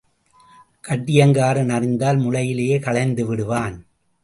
கட்டியங்காரன் அறிந்தால் முளையிலேயே களைந்து விடுவான்.